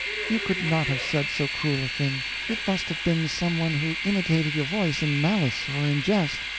You could not have said so cruel a thing. It must have been some one who imitated your voice in malice or in jest."